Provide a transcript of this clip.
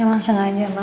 emang sengaja emang